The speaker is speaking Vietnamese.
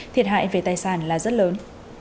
thiệt hại về tài sản là rất lớn